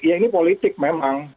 ya ini politik memang